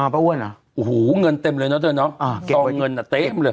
เป้าอ้วนเนอะโอ้โหเงินเต็มเลยนะแทนเนอะตรงเงินเต็มเลย